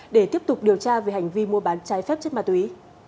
để tiếp tục điều tra về hành vi mua bán trái phép chất ma túy